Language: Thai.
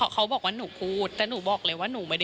เขาโบกว่านูพูด